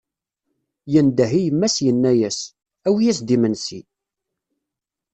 Yendeh i yemma-s yenna-as: Awi-as-d imensi!